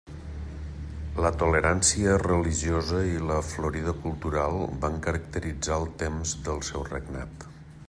La tolerància religiosa i la florida cultural van caracteritzar el temps del seu regnat.